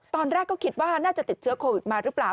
ตอนแรกก็คิดว่าน่าจะติดเชื้อโควิดมาหรือเปล่า